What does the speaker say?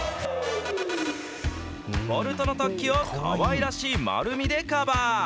ボルトの突起をかわいらしい丸みでカバー。